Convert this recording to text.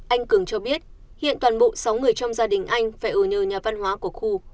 anh cường cho biết hiện toàn bộ sáu người trong gia đình anh phải ở nhờ nhà văn hóa của khu